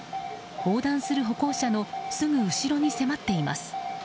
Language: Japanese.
横断する歩行者のすぐ後ろに迫っています。